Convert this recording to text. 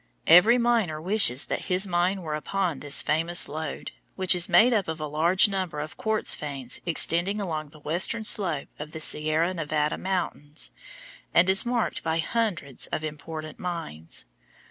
Every miner wishes that his mine were upon this famous lode, which is made up of a large number of quartz veins extending along the western slope of the Sierra Nevada mountains, and is marked by hundreds of important mines.